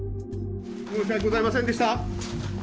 申し訳ございませんでした。